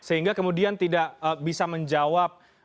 sehingga kemudian tidak bisa menjawab